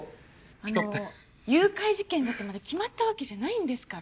あの誘拐事件だってまだ決まったわけじゃないんですから。